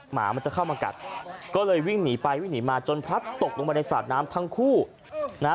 หมามันจะเข้ามากัดก็เลยวิ่งหนีไปวิ่งหนีมาจนพลัดตกลงไปในสระน้ำทั้งคู่นะฮะ